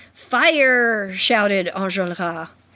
"Fire!" shouted Enjolras.